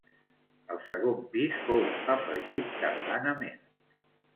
El segon pis fou afegit tardanament.